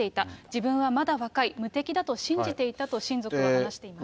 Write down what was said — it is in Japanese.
自分はまだ若い、無敵だと信じていたと親族は話しています。